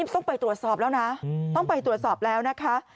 ต้องไปตรวจสอบแล้วนะต้องไปตรวจสอบแล้วนะคะ